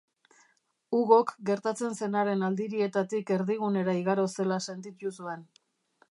Hugok gertatzen zenaren aldirietatik erdigunera igaro zela sentitu zuen.